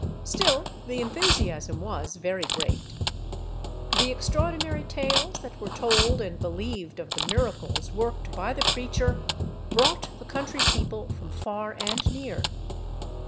Still the enthusiasm was very great. The extraordinary tales that were told and believed of the miracles worked by the preacher brought the country people from far and near.